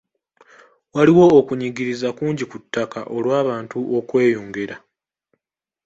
Waliwo okunyigiriza kungi ku ttaka olw'abantu okweyongera.